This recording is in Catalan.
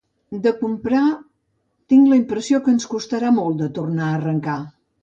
De comprar… Tinc la impressió que ens costarà molt de tornar a arrencar.